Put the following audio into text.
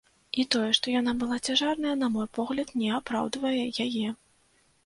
І тое, што яна была цяжарная, на мой погляд, не апраўдвае яе.